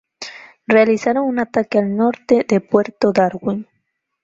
Realizaron un ataque al norte de puerto Darwin.